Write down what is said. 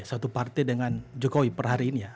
satu partai dengan jokowi per hari ini ya